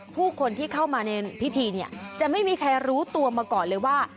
ผู้คนที่เข้ามาในพิธีเนี่ยจะไม่มีใครรู้ตัวมาก่อนเลยว่า